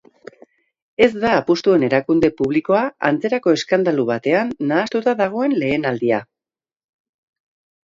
Ez da apustuen erakunde publikoa antzerako eskandalu batean nahastuta dagoen lehen aldia.